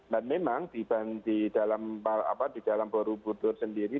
dan memang di dalam borobudur sendiri